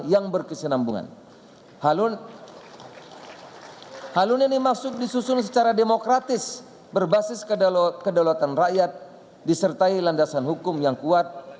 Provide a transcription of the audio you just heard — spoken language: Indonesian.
yang berkesenambungan halun ini masuk disusun secara demokratis berbasis kedaulatan rakyat disertai landasan hukum yang kuat